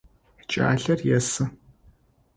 Кӏалэр есы.